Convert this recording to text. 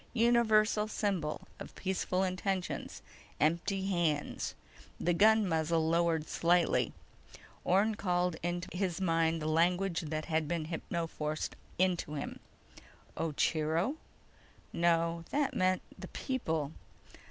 Universal symbol of peaceful intentions: empty hands. The gun muzzle lowered slightly. Orne called into his mind the language that had been hypnoforced into him. _Ocheero? No. That means 'The People.